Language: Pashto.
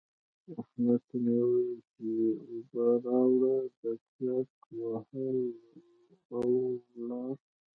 احمد ته مې وويل چې اوبه راوړه؛ ده ګيت وهل او ولاړ.